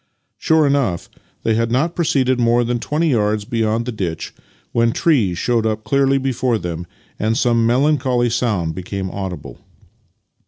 Sure enough, they had not proceeded more than twenty yards beyond the ditch when trees showed up clearly before them and some melancholy sound became audible.